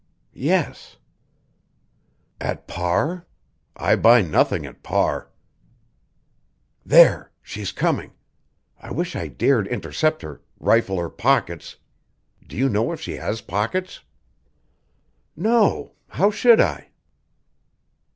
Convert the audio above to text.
_" "Yes." "At par? I buy nothing at par. There! She's coming. I wish I dared intercept her, rifle her pockets. Do you know if she has pockets?" "_No; how should I?